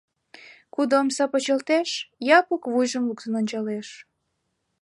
Кудо омса почылтеш, Япык вуйжым луктын ончалеш.